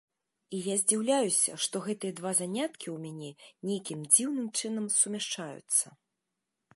І я здзіўляюся, што гэтыя два заняткі ў мяне нейкім дзіўным чынам сумяшчаюцца.